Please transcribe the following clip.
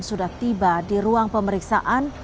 sudah tiba di ruang pemeriksaan